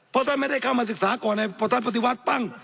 เพราะท่านไม่ได้เข้ามาศึกษาก่อนพอท่านปฏิวัติปั้ง